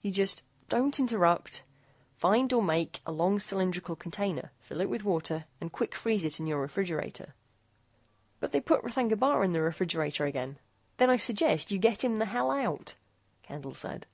You just don't interrupt find or make a long cylindrical container, fill it with water and quick freeze it in your refrigerator " "But they put R'thagna Bar in the refrigerator again " "Then I suggest you get him the hell out," Candle said.